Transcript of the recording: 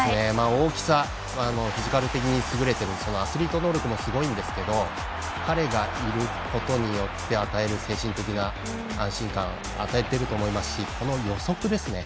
大きさ、フィジカル的に優れていてそのアスリート能力もすごいんですけど彼がいることによって与える精神的な安心感与えていると思いますし予測ですね。